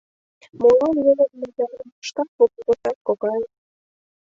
Молан, йолым нойдарен, шкак поген коштат, кокай?